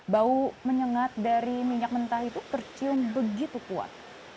bau menyengat dari minyak mentah itu tercium begitu kuat